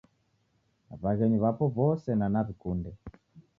W'aghenyu w'apo w'ose na naw'ikunde